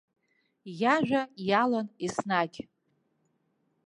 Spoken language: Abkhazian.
Иажәа иалан еснагь.